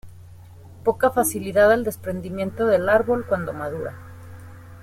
Poca facilidad al desprendimiento del árbol cuando madura.